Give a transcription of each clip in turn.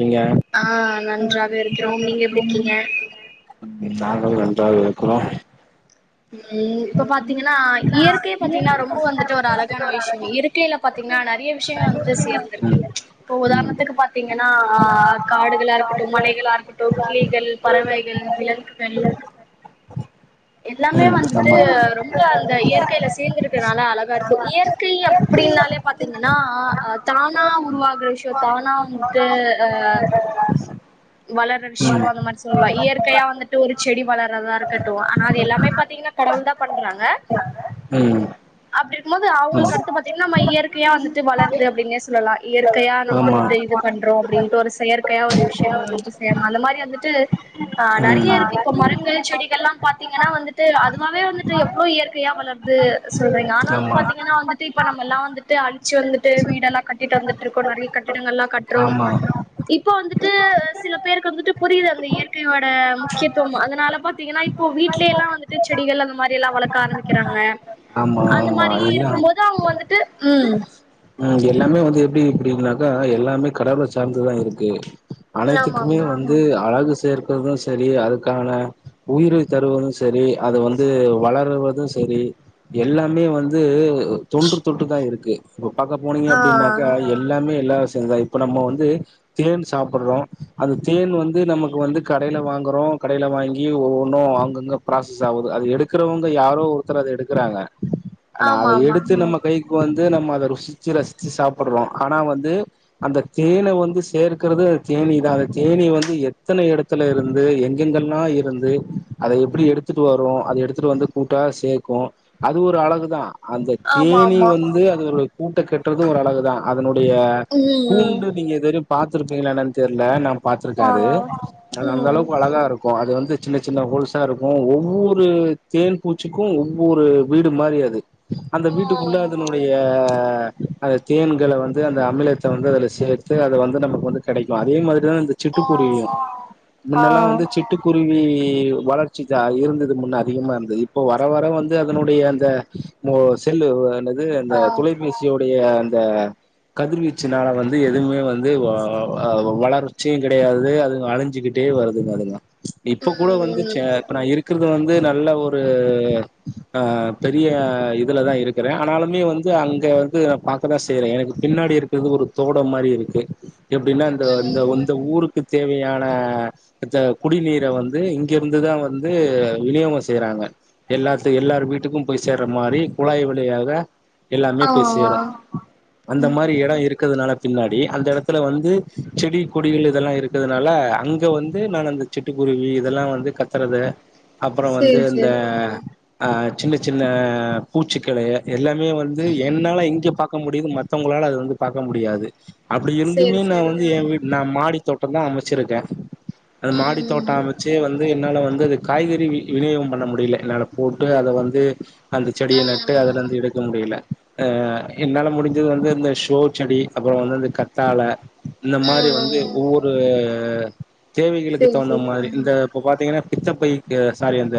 நீங்க ஆ நன்றாக இருக்கிறோம் நீங்க எப்டி இருக்கீங்க நாங்களும் நன்றாக இருக்கிறோம் ம் இப்ப பாத்தீங்கன்னா இயற்கைய பாத்தீங்கன்னா ரொம்ப ம் வந்துட்டு ஒரு அழகான விஷயம் இயற் கைலா பாத்தீங்கன்னா நெறைய விஷயங்கள் வந்துட்டு சேர்ந்திருக்கு இப்ப ம் உதாரணத்துக்கு பாத் தீங்கன்னா ஆ காடுகளா இருக்கட்டு மலைகளா இருக்கட்டு கிளிகள் பறவைகள் விலங்குகள் எல்லாமே ம் வந்துட்டு ஆமா ரொம் ப அந்த இயற்கையில சேர்ந்திருக்கனால அழகா இருக்கு இயற்கை அப்டின்னாலே பாத்தீங்கன்னா தானா உருவாகற விஷயோ தானா வந்துட்டு அ வளர்ற விஷயோ அந்த மாறி சொல்லலா இயற்கையா வந்துட்டு ஒரு செடி வளர்றதா இருக்கட்டு ஆனா அது எல்லாமே பாத்தீங்கன்னா கடவுள் தான் பண்றாங்க ம் அப்டி இருக்கும்போது ம் அவுங்குளுக்கடுத்து பாத்தீங்கன்னா நம்ம இயற்கையா வந்துட்டு வளருது அப்டின்னே சொல்லலா இயற்கையா நம்ம ஆமா வந்துட்டு இது பண்றோ அப்டின்ட்டு ஒரு செயற்கையா ஒரு விஷயங்கள் வந்துட்டு செய்ய அந்த மாரி வந்துட்டு ஆ ம் நெறைய இருக்கு இப்ப மரங்கள் செடிகள்லா பாத்தீங்கன்னா வந்துட்டு அதுவாவே வந்துட்டு எவ்ளோ இய ற்கையா வளர்து சொல்றீங்க ஆனாலு ஆமா பாத்தீங்கன்னா வந்துட்டு இப்ப நம்மலா வந்துட்டு அழிச்சு வந்துட்டு வீடெல்லா கட்டிட்டு வந்துட்ருக்கோ நெறைய கட்டிடங்கள்லா கட்றோம் ஆமா இப்போ வந்து சில பேருக்கு வந்துட்டு புரியுது அந்த இயற்கையோட முக்கியத்துவம் அதனால பாத்தீங்கன்னா இப்போ வீட்லேலா வந்து ட்டு செடிகள் அந்த மாரியெல்லா வளக்க ஆரம்பிக்கிறாங்க ஆமா அந்த ஆமா மாரி எல்லா இருக்கும்போது அவுங்க வந்துட்டு ம் ம் இங்க எல்லாமே வந்து எப்டி இப்டினாக்கா எல்லாமே கடவுள சார்ந்துதா இருக்கு ஆமா அனைத்துக்குமே ஆமா வந்து ம் அழகு சேர்க்குறது செரி அதுக்கான உயிரை தருவது சரி அத வந்து வளருவது சரி எல்லாமே வந்து தொன்று தொட்டு தான் இருக்கு இப்ப பாக்க போனீங்க ஆ அப்டின்னாக்கா எல் எல்லாமே இலவசந்தா இப்ப நம்ம வந்து தேன் சாப்புட்றோ அந்த தேன் வந்து நமக்கு வந்து கடைல வாங்குறோ கடைல வாங்கி ஒவ்வொன்னு அங்கங் க ப்ராசஸ் ஆவுது அது எடுக்கறவங்க யாரோ ஒருத்தர் அத எடுக்குறாங்க ஆனா அத ஆமா ஆமா எடுத்து ம் நம்ம கைக்கு வந்து நம்ம அத ருசிச்சு ரசிச்சு சாப்புட்றோ ஆனா வந்து அந்த தேன வந்து சேர்க்கறது அந்த தேனீ தா அந்த தேனீ வந்து எத்தன எடத்து த்துல இருந்து எங்கெங்கெல்லா இருந்து அத எப்டி எடுத்துட்டு வரு அத எடுத்துட்டு வந்து கூட்டா சேக்கு அது ஒரு அழகுதா அந்த ஆமா தேனீ ஆமா வந்து அதனுடைய கூட்ட கட்றது ஒரு அழகுதா அதனுடைய கூண்டு ம் ம் நீங்க இது வரையு பாத்துருப்பீங்களான் என்னனு தெரில நம் ஆ பாத்துருக்காரு அது ம் ம் அந்தளவுக்கு அழகா இருக்கு க்கு அது வந்து சின்ன சின்ன ஹோல்ஸா இருக்கு ஒவ்வொரு தேன் பூச்சிக்கு ஒவ்வொரு வீடு மாரி அது அந்த ஆ வீட்டுக்குள்ள அதனுடைய அ அத தேன்கள வந்து அந்த அமிலத்த வந்து அதுல சேத்து அத வந்து நமக்கு வந்து கெடைக்கு அதே மாதிரிதா வந்து சிட்டுக்குருவியு ஆ மின்னெல்லா வந்து சிட்டு குருவி வளர்ச்சி த இருந்துது முன்ன அதிகமா இருந்து இப்போ வர வர வந்து அதனுடைய அந்த மோ செல்லு ஆ என்னாது ஆ அந்த துலைபேசியுடைய அந்த கதிர்வீச்சுனால வந்து எதுவுமே வந்து வ ஆ வளர்ச்சியு கெடையாது அதுவு அழஞ்சி கிட்டே வருதுங்க அதுங்க இப்ப கூட வந்து ம் சே இப்ப நா இருக்கறது வந்து நல்ல ஒரு அ பெரிய இதுல தா இருக் க்குறே ஆனாலுமே வந்து அங் [unintelligible] நா பாக்கதா செய்யறே எனக்கு பின்னாடி இருக்கறது ஒரு தோடம் மாரி இருக்கு எப்டின்னா இந்த இந்த ம் இந்த ஊருக்கு தேவையான இந்த குடிநீர வந்து இங்கேருந்துதா வந்து விநியோகோ செய்றாங்க எல்லாத்து எல்லார் வீட்டுக்கு போய் சேர்ற மாரி குழாய் வழியாக எல்லா ஆ பேய் சேரு அந்த மாரி ம் எடோ இருக்கறதுனால பின்னாடி அந்த எடத்துல வந்து செடி கொடிகள் இதெல்லா இருக் குறதுனால அங்க வந்து நான் அந்த சிட்டுக்குருவி இதெல்லா வந்து கத்தறத அப்பறோ வந்து சேரி இந்த சேரி ம் அ சின்ன சின்ன பூச்சிக்கள எல்லாமே வந்து ம் என்னால இங்க பாக்க முடிது மத்தவங்களால அது வந்து பாக்க முடியாது அப்டி சேரி இருந்துமே நா சேரி வந்து ஆ ஏ வீட் நா மாடி தோட்டந்தா அமைச்சிருக்கே அத மாடி தோட்டோ ம் அமைச் சே வந்து என்னால வந்து அது காய்கறி விநி விநியோகம் பண்ண முடியல என்னால போட்டு அத வந்து அந்த செடிய நட்டு ம் அதுலருந்து எடுக்க முடியல அ என்னால முடிஞ்சது வந்து இந்த ஷோ செடி அப்றம் வந்து இந்த கத்தால இந்த மாரி வந்து ம் ஒவ்வொரு தேவைகளுக்கு சேரி தகுந்த சேரி ஆ மாரி இந்த இப்போ பாத்தீங்கன்னா பித்தப்பைக்கு சாரி அந்த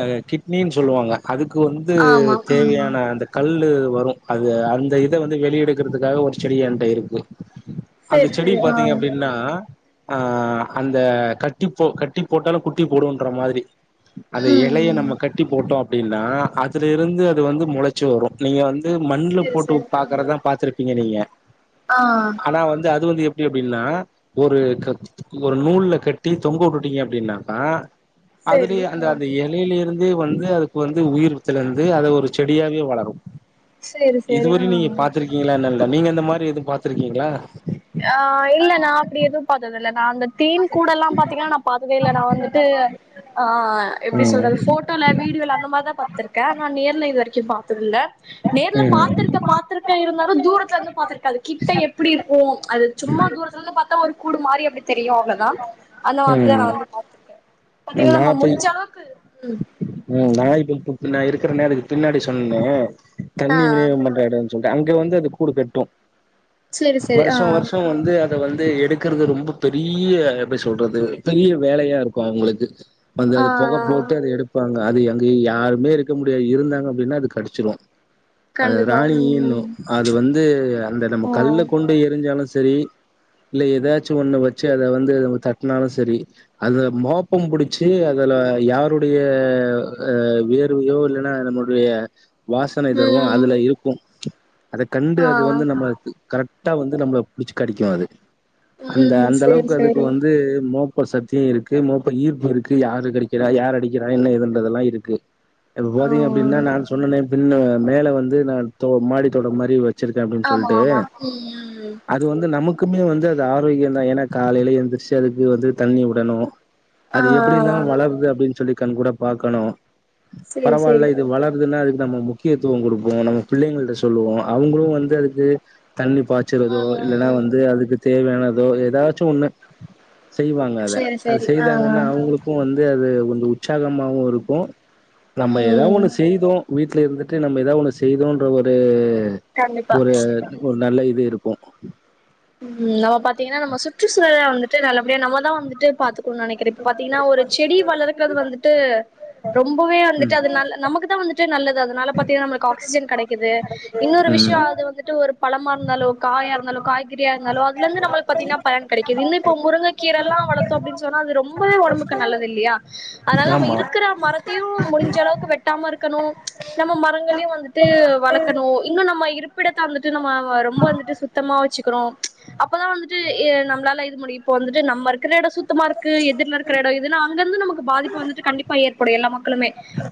அ கிட்னினு சொல்லுவாங்க அதுக்கு வந்து ஆமா ம் தேவையான அந்த கல்லு வரு அது அந்த இத வந்து வெளிய எடுக்குறதுக்காக ஒரு செடி ஏண்ட இருக்கு அந்த சேரி செடி சேரி ஆ பாத்தீங்க அப்டினா ஆ அந்த கட்டி போ கட்டி போட்டாலு குட்டி போடுன்ற மாரி அந்த இலைய ம் நம்ம கட்டி போட்டோ அப்டின்னா அதுல இருந்து அது வந்து முளச் சி வரும் நீங்க வந்து மண்ணுல சேரி போட்டு சேரி ஆ பாக்குறதா பாத்துருப்பீங்க நீங்க ஆ ஆனா வந்து அது வந்து எப்டின்னா ஒரு க ஒரு நூல்ல கட்டி தொங்க வுட்டுட்டீங்க அப்டின்னாக்கா சேரி அதுலேயே அந்த ஆ அந்த எலேய்லேருந்தே வந்து அதுக் வந்து உயிர் திலந்து அத ஒரு செடியாவே வளரு சேரி சேரி ஆ இதுவர நீங்க பா்த்திருக்கீங்களால்ல நீங்க இந்தந்த மாதிரி எதுவு பாத்திருக்கீங்களா ஆ இல்ல நா அப்டி எதுவ் பாத்ததுல்ல நா அந்த தேன் கூடலா பாத்தீங்கனா நா பாத்ததேல்ல நா வந்துட்டு ஆ எப்டி ம் சொல்றது ஃபோட் டோல வீடியோல அந்த மார் தா பாத்துருக்கே நா நேர்ல இதுவரைக்கு பாத்ததுல்ல நேர்ல ம் பாத்துரு க்க பாத்துருக்கே இருந்தாலு தூரத்லர்ந்து பாத்துருக்கே அது கிட்ட எப்டிருக்கு அது சும்மா தூரத்லந்து பாத்தா ஒரு கூடு மாறி அப்டி தெரியு தா அந்த மாதிரி தா நா ம் வந்து பாத்துக்கே பாத்தீங்கனா நா நம்ம போய் முடிஞ்சளவுக்கு ம் ம் நா இப்போ இப்போ நா இருக்குற நேரக்கு பின்னாடி சொன்னேனே ஆ தண்ணி விநியோகம் பண்ற எடம் சொல்டே அங்க வந்து அது கூடு கட்டு சேரி சேரி ஆ வர்ஷம் வர்ஷம் வந்து அத வந்து எடுக்றது ரொம்ப பெரிய ப சொல்றது பெரிய வேலயாருக்கு அவ்ங்ளுக்கு வந்து ஆ அது பொக போட்டு அது எடுப்பாங்க அது அங்கு யாருமே இருக்க முடியாது இருந்தாங்க அப்டின்னா அது கடிச்சிரு அத கண்டிப்பா ராணி ஈன்னு ம் அது வந்து அந்த நம்ம ஆ கல்ல கொண்டு எரிஞ்சாலு செரி இல்ல எதாச்சு ஒண்ண வச்சு அத வந்து நம்ப தட்னாலு செரி அத மோப்பம் புடிச்சி அதுல யாரோ டய ஆ வியர்வையோ இல்லனா நம்முடைய வாசனை திரவ ம் அதுல இருக்கு அத கண்டு அது ஆ வந்து நம்மள கரெட் டா வந்து நம்ப்ள புடிச்சு கடிக்கு அது அந்த ம் அந்த சேரி அளவுக்கு அதுக்கு சேரி வந்து மோப் ப சக்தி இருக்கு மோப்ப ஈர்ப்புருக்கு யாரு கடிக்கிறா யாரு அடிக்கிறா என்ன ஏதுன்றதெலா இருக்கு இப்ப ஆ பாத்தீங்க அப்டின்னா நா சொன்னனே பின்ன மேல வந்து நா தொ மாடி தொட்டோ மாரி வச் வச்ருகே அப்டின் ஆமா சொல்ட்டு ஆமா அத் ம் ம் அது வந்து நமக்குமே வந்து அது ஆரோக்யோந் தா ஏனா காலைல எந்ரிச்சு அதுக்கு வந்து தண்ணி உடனு ஆ அது எப்டிலா வளர்து அப்டின் சொல்லி கண் கூடா பாக்கணு சேரி பரவால்ல சேரி இது [inaudible] வளர்துன்ன அதுக் தா மு முக்கியத்துவோ குடுபோ நம்ம பிள்ளங்கள்ட சொல்லுவோ அவ்ங்ளு வந்து அதுக்கு தண்ணி பாச் ச்றதோ ம் இல்லனா ம் வந்து அதுக்கு தேவயானதோ எதாச்சு ஒண்ணு செய்வாங்க அத சேரி அது சேரி ஆ செய்தாங்ன்னா அவங்ளுக்கு வந்து அது கொஞ்சோ உச்சாகமாவுருக்கு நம்ம ஏதாவது ம் ஒண்ணு செய்தோ வீட்லருந்துட்டு நம்ம ஏதாவது ஒண்ணு செய்தோன்ற ஒரு கண்டிப்பா ஒரு ஒர் நல்ல இது இருக்கு ம் நம்ம பாத்தீங்னா நம்ம சுற்றுச்சூழல வந்துட்டு நல்லபடியா நம்ம தா வந்துட்டு பாத்துக்குணு நெனக் இப்ப பாத்தீக்னா ஒரு செடி வளரக்றது வந்துட்டு ரொம்போவே வந்துட்டு அது நல்ல நமக்கு தா வந்துட்டு ட்டு நல்லது அதுனால பாத்தீனா நமக்கு ஆக்ஜன் கெடைக்குது இன்னோரு ம் விஷ்யோ அது வந்துட்டு ஒரு பழமார்ந்தாலோ காயார்ந்தாலோ காய் கீரயார்ந்தாலோ அதுலந்து நம்ளுக் பாதிங்னா பலன் கெடைக்கிது இல்லப்போ முருங்ககீரலா வளத்தோ அப்டீன்னு சொன்னா அது ரொம்பவே ஒடம்புக் க்கு ம் நல்லதுல்லியா அதனால நம்மோ ஆமா இருக்குற மரத்தியு முடிஞ்சளவுக்கு வெட்டாமருக்கணோ நம்ம மரங்களியு வந்துட்டு வளக்கணு இன்னு நம்ம இருப்பிடத்த வந்துட்டு நம்ம ரொம்ப இருந்துட்டு சுத்தமா க்றோ அப்பதா வந்துட்டு இ நம்பளால இது முடி இப்போ வந்துட்டு நம்மருக் க்றட சுத்தமாருக்கு எதுர்லருக்றட இதுனா அங்கர்ந்து நமக்கு பாதிப்பு வந்துட்டு கண்டிப்பா ஏற்படு எல்லா மக்களுமே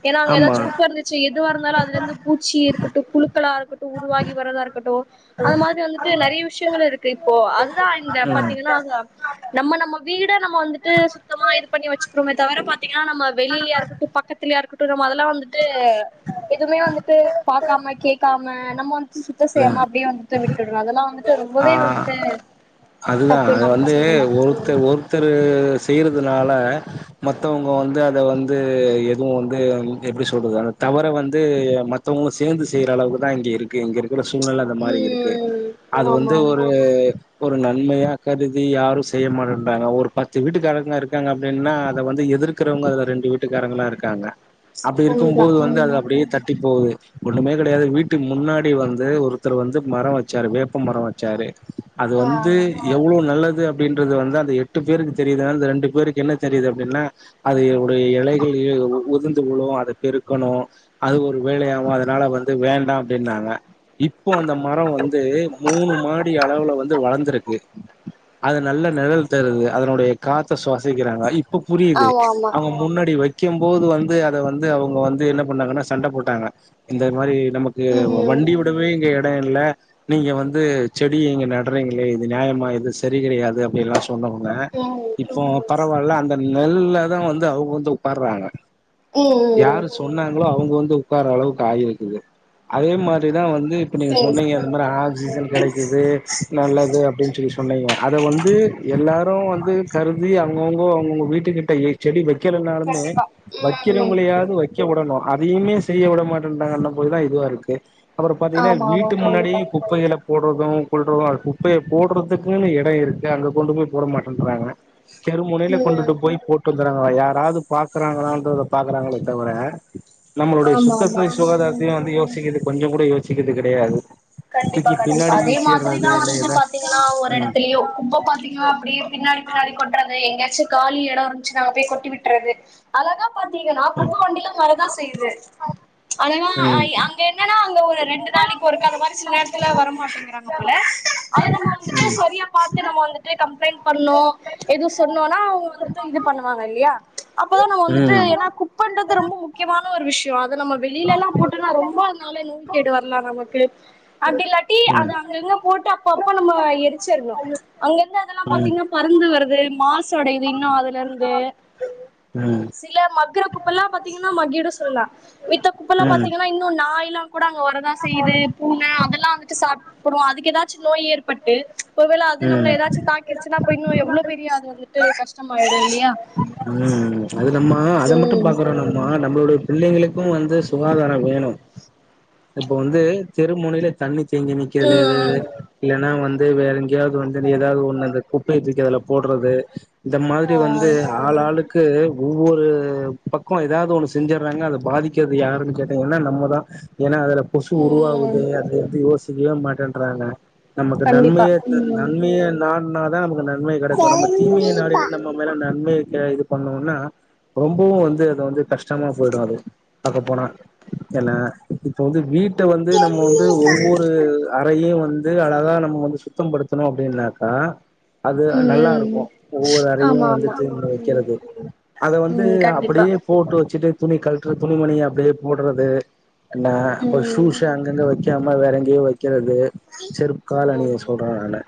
ஏனா அங்க ஆமா ஏதாச் குப்பருந்து ச்சு எதுவாருந்தாலோ அதுலந்து பூச்சி அதா இருக்குட்டு புழுக்களாருக்குட்டு உருவாகி வரதாருக்கட்டோ ஒ அது மாதிரி வந்து த்து நறீய விஷ்யங்கள்ருக்கு இப்போ அதுதா இந்த பாத்தீங்ன்னா அது நம்ம நம்ம வீட நம்ம வந்துட்டு சுத்தமா இது பண்ணி வச்சுக்றோமே தவிர பாத்தீங்கா நம்ம வெளிய்லயாருக்கட்டு ப பக்கத்துல்லியாருக்குட்டோ நம்ம அதுலா வந்துட்டு எதுவுமே வந்துட்டு பாக்காம கேக்காம நம்ம வந் சுத்த செய்யாம அப்டியே வந்து விட்டுர்ரோ அதுலா வந்துட் ஆ அதுதா தப்புன்னு அது வந்து அப்டின்னு சொல்லலா ஒருத்த ஒர் தரு செய்றதுனால மத்தவுங்க வந்து அத வந்து எதுவு வந்து எப்டி சொல்றது அந்த தவற வந்து மத்தவுங்களு சேந்து செய்யறளவுக்குதா இங்கிருக்கு இங்க சூழ்நெல அந்த மாரி இருக்கு ம் அது ஆமா வந்து ஆமா ஒரு ஒரு நன்மையா கருதி யாரு செய்ய மாட்டேன்றாங்க ஒரு பத்து வீட்டுக்காரங்க இருக்காங்க அப்டீன்னா அத வந்து எதிரு இருக்குறவங்கல ரெண்டு வீட்டுக்காரங்களா இருக்காங்க அப்டி இருக்கும் கண்டிப்பா போது வந்து அது ம் அப்டியே தட்டி போவுது ஒண்ணுமே கெடையாது வீட்டுக்கு முன்னாடி வந்து அது ஒருத்தர் வந்து மரோ வெச்சாரு வேப்ப மரோ வெச்சாரு அது ஆ வந்து எவ்வளோ நல்லது அ அப்டீன்றது வந்து அந்த எட்டு பேருக்கு தெரியுது அந்த ரெண்டு பேருக்கு என்ன தெரியுது அப்டீன்னா அதையுடைய எலைகள்யே உதிந்து வுழோ அத பெருக்கணோ அது ஒரு வேலையாவோ அதனால வந்து வேண்டா அப்டீன்னாங்க இப்போ அந்த மரோ வந்து மூணு மாடி அளவுல வந்து வளந்துருக்கு அது நல்ல நெழல் தருது அதனோடைய காத்த சுவாசிக்கிறாங்க இப்ப புரியுது அவுங்க முன்னாடி வெ க்கிம் போது வந்து அத வந்து அவுங்க வந்து என்ன பண்ணாங்கன்னா சண்ட போட்டாங்க இந்த மாரி நமக் கு ம் இது வண்டி விடவே இங்க எடோ இல்ல நீங்க வந்து செடி எங்க நடுறீங்களே இது நியாயமா இது செரி கெடையாது அப்டீலா சொ சொன்னவங்க ம் இப்போ பரவால்ல அந்த நெல்லதா வந்து அவுங்க வந்து ஒக்காறாங்க ம் ம் யாரு சொன்னாங்களோ அவுங்க வந்து ஒக்கார அளவுக்கு ஆயிருக்குது அதே மாரிதா வந் து இப்ப நீங்க சேரி சொன்னீங்க அது மாரி ஆக்சிஜன் கெடைக்குது நல்லது அப்டீன்னு சொல்லி சொ சொன்னீங்க அத வந்து எல்லாரோ வந்து கருதி அவுங்கவுங்க அவுங்கவுங்க வீட்டு கிட்ட செடி வெக்கிலனாலுமே கண்டிப்பா ம் ம் வெக்கிறவங்களையாவது வெக் க விடணோ அதையுமே செய்ய விட மாட்டேன்றாங்கன்னா போயுதா இதுவா இருக்கு அப்பறோ பாத்தீங்கன்னா ஆமா ஆமா வீட்டு முன்னாடி கண்டிப்பா குப்பைகலப் போடுறதும் கொல்றதும் குப்பைய போடுறதுக்குன்னு எடோ இருக்கு அங்க கொண்டு போய் போட மாட்டேன்றாங்க தெருமொனையில கொண்டுட்டு ம் போய் போட் டு வந்துறாங்களா யாராது பாக்குறாங்களான்றத பாக்குறாங்களே தவிர நம்மளோடைய ஆமா ஆமா சுத்தத்தை ம் சுகாதாரத்தையு வந்து யோசிக்குது கொஞ்சோ கூட யோசிக்குது கெடையாது கண்டிப்பா தூக்கி கண்டிப்பா பின்னாடி அதே வீசிர்றது மாதிரிதா இல்ல வந்துட்டு ஏதாச் பாத்தீங்கன்னா ஒவ்வோர் ம் எடத்துலயோ இப்ப பாத்தீங்கன்னா அப்டி பின்னாடி பின்னாடி கொட்றது எங்கயாச்சு காலி எடோ இருந்துச்சுனா அங்க போய் கொட்டி விட்றது அழகா பாத்தீங்கன்னா குப்ப வண்டிலா வரதா செய்யுது அழகா ம் ம் ஆயி அங் ககெங்ன்னன்னா அங்க ஒரு ரெண்டு நாளிக்கு ஒரு அந்த மாரி சில நேரத்துல வர மாட்டேங்கிறாங்க போல அத நம்ம வந்துட்டு சரியா பாத்து நம்ம வந்து கம்ப்ளைண்ட் பண்ணோ எது சொன்னோனா அவுங்க வந்துட்டு இது பண்ணுவாங்க இல்லயா அப்பதா நம்ம வந்துட்டு ம் ஏனா குக் பண்றது ரொம்ப முக் கியமான ஒரு விஷ்யோ அத நம்ம வெளிலலா போட்டோனா ரொம்ப அதனால நோய் கேடு வரலா நமக்கு அப்டி இல்லாட்டி ம் அது அங்கங்க போட்டு அப்பப்ப நம்ம எரிச்சர்ணு அங்க இருந்து அதெல்லா பாத்தீங்கன்னா பறந்து வருது மாசு அடையுது இன்னு அதுலேருந்து ம் ம் சில மக்குற ம் குப்பல்லா பாத்தீங்கன்னா மகிடு சொல்லலா மித்த குப்பல்லா ம் பாத்தீங்கன்னா இன் னு நாயில்லா கூட அங்க வரதா செய்யிது பூன அதெல்லா வந்துட்டு சாப்புடு அதுக் ஏதாச்சு நோய் ஏற்பட்டு ஒருவேள அது நம்ள ஏதாச்சு தாக் கிச்சுனா அப்ப இன்னு எவ்ளோ பெரிய அது வந்துட்டு கஷ்டமாயிரு ம் அது நம்ம அத மட்டு ம் பாக்கறோன் மா நம்மளுடைய பிள்ளைங்களுக்கு வந்து சுகாதார வேணு இப்ப வந்து தெரு முனைல தண்ணி தேங்கி நிக்கதுல எது ம் இல்லன்னா வந்து வேற எங்கேயாது வந்து நீ ஏதாது ஒன்னு அந்த குப்பைய தூக்கி அதுல போட்றது ட்டு ஆ வந்து ஆள் ஆளுக் கு ஒவ்வொரு பக்கோ ஏதாது ஒன்னு செஞ்சறாங்க அத பாதிக்கது யாருன்னு கேட்டிங்கனா நம்மதா ஏனா அதுல கொசு ம் உருவாவுது அது இது யோசிக்கவே மாட்டேன்றாங்க நமக்கு கண்டிப்பா நன்மையேது ம் நன்மையே நாட்னாதா நமக்கு நன்மை கடைக்கு நம்ம தீமைய நாடி கண்டிப்பா நம் மேல நன்மைய கே இது பண்ணோனா ரொம்பவு வந்து அது வந்து கஷ்டமா போய்டு அது பாக்க போனா எனா இப்ப வந்து வீட்ட வந்து நம்ம வந்து கண்டிப்பா ஒவ்வொரு ப்பயு வந்து அழகா நம்ம வந்து சுத்தம் படுத்துணு அப்டின்னாக்கா அது நல்லாருக்கு ம் ஒவ்வொரு இப்பயு ஆமா வந்து ஆமா தீம்ப வக்கறது அத வந்து ம் கண்டிப்பா அப்படியே போட்டு வச்சுட்டு துணி கழுட்ற துணி மணி அப்டியே போட்றது நா அப்ப ம் ஷூஸ்ச அங்கங்க வக்காம வேற எங்கேயோ வக்கறது செருப்க்காலணிய சொல்ற நானு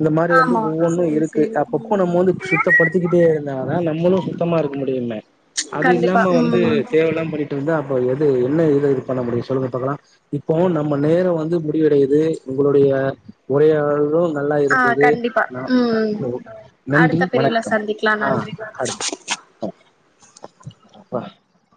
இந்த மாரி வந்து ஆமா ஒவ்வொன்னு சேரி இருக்கு சேரி அப்பப்ப ம் நம்ம வந்து சு சுத்தப்படுத்திக்கிட்டே இருந்தாதா நம்மளு சுத்தமா இருக்க முடியுமே அது கண்டிப்பா இல்லாம வந்து ம் தேவல்லாம பன்னி ட்ருந்தா அப்ப எது என்ன இத இது பண்ண முடியு சொல்லுங்க பாக்கலா இப்போவு நம்ம நேர வந்து முடிவடையிது உங்களுடைய உரை ஆளும் நல்லா ஆ இருந்துது கண்டிப்பா ந ம் நன்றி அடுத்த பிரிவுல வணக்கம் சந்திக்கலா ஆ நன்றி வணக்கம் அடுத்